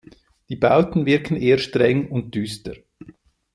Die Bauten wirken eher streng und düster.